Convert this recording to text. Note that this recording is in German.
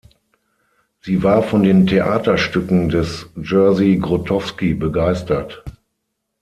Sie war von den Theaterstücken des Jerzy Grotowski begeistert.